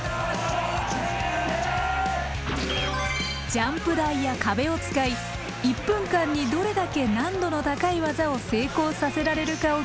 ジャンプ台や壁を使い１分間にどれだけ難度の高い技を成功させられるかを競う。